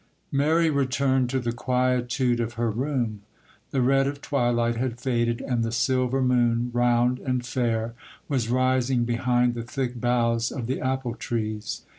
MARY returned to the quietude of her room. The red of twilight had faded, and the silver moon, round and fair, was rising behind the thick boughs of the apple trees.